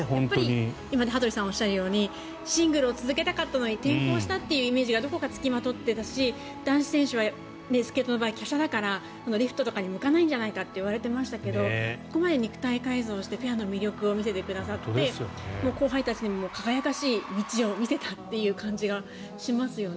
今、羽鳥さんがおっしゃるようにシングルを続けたかったけど転向したというイメージがどこか付きまとっていたし男子選手はスケートの場合きゃしゃだからリフトとかに向かないんじゃないかと言われていましたけどここまで肉体改造をしてペアの魅力を見せてくださって後輩たちにも輝かしい道を見せたという感じがしますよね。